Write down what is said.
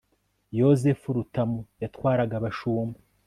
yozefu rutamu yatwaraga bashumba